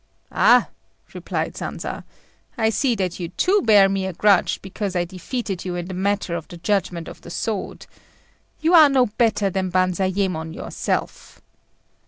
"Ah!" replied Sanza, "I see that you too bear me a grudge because I defeated you in the matter of the judgment of the sword. You are no better than Banzayémon yourself."